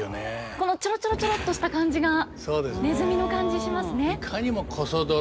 このチョロチョロチョロっとした感じがネズミの感じしますね。